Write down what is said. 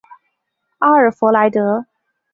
阿尔弗莱德？